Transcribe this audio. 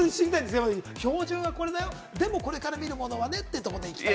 標準はこれだよ、でも、これから見るものはね？ってことで。